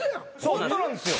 ホントなんですよ。